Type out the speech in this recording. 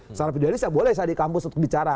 secara visualis saya boleh di kampus untuk bicara